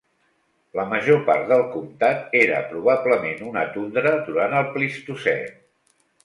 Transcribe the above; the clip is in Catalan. La major part del comtat era probablement una tundra durant el Plistocè.